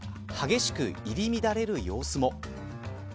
激しく入り乱れる様子も。